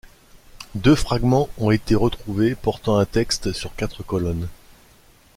Deux fragments ont été retrouvés portant un texte sur quatre colonnes.